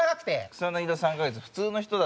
草薙の３カ月普通の人だと。